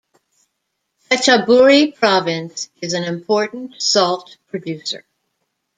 Phetchaburi Province is an important salt producer.